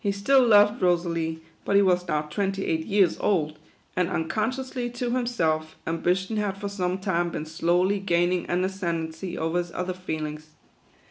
He still loved Rosalie , but he was now twenty eight years old, and, uncon sciously to himself, ambition had for some time been slowly gaining an ascendency over his other feelings.